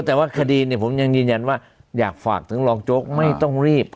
แต่ว่าคดีผมยังยืนยันว่าอยากฝากถึงรองโจ๊กไม่ต้องรีบ